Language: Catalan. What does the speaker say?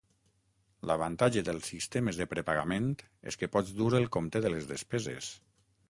L'avantatge dels sistemes de prepagament és que pots dur el compte de les despeses.